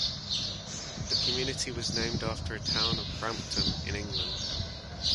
The community was named after the town of Brampton, in England.